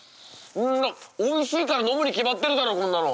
んなおいしいから飲むに決まってるだろこんなの！